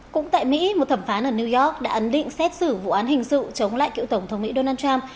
cũng tại mỹ một thẩm phán ở new york đã ấn định xét xử vụ án hình sự chống lại cựu tổng thống mỹ donald trump